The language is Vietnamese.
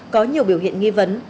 có nhiều biểu hiện nghi vấn